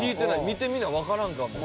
見てみなわからんかも。